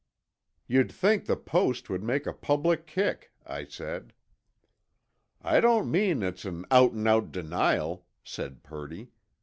'" "You'd think the Post would make a public kick," I said. "I don't mean it's an out and out denial," said Purdy.